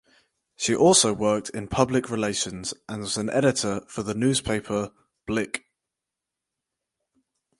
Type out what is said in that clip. She also worked in public relations and was an editor for the newspaper "Blic".